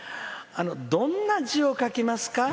どんな字を書きますか？